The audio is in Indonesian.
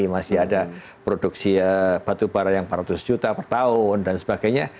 masih ada produksi batubara yang empat ratus juta per tahun dan sebagainya